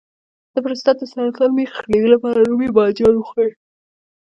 د پروستات د سرطان مخنیوي لپاره رومي بانجان وخورئ